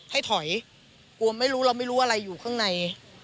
ให้ถอยกลัวไม่รู้เราไม่รู้อะไรอยู่ข้างใน